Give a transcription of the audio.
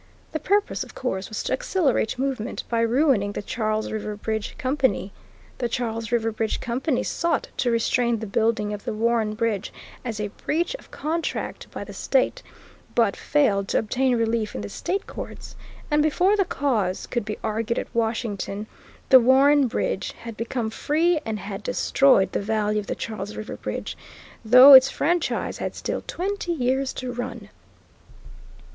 The purpose, of course, was to accelerate movement by ruining the Charles River Bridge Company. The Charles River Bridge Company sought to restrain the building of the Warren Bridge as a breach of contract by the State, but failed to obtain relief in the state courts, and before the cause could be argued at Washington the Warren Bridge had become free and had destroyed the value of the Charles River Bridge, though its franchise had still twenty years to run.